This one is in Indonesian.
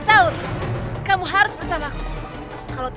aduh hati hati kandingan tepati